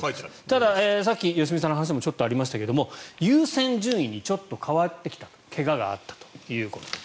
ただ、さっき良純さんのお話にもありましたが優先順位にちょっと変わってきた怪我があったということで。